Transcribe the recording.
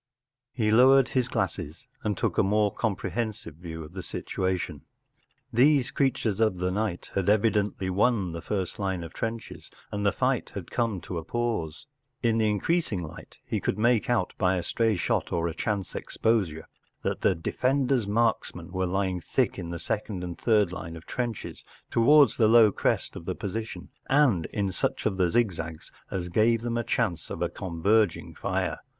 ... He lowered his glasses and took a more comprehensive view of the situation. These creatures of the night had evidently won the first line of trenches and the fight had come to a pause. In the increasing light he could make out by a stray shot or a chance exposure that the defender’s marksmen were lying thick in the second and third line of trenches up towards the low crest of the position, and in such of the zigzags as gave them a chance of a converging fire.